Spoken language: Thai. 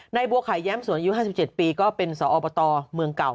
บัวไข่แย้มสวนอายุ๕๗ปีก็เป็นสอบตเมืองเก่า